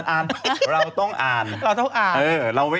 อ่านเราต้องอ่าน